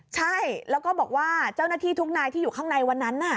ใช่แล้วก็บอกว่าเจ้าหน้าที่ทุกนายที่อยู่ข้างในวันนั้น